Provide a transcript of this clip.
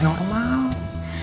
tidak saya mau pergi